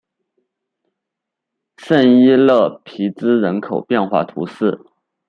圣伊勒皮兹人口变化图示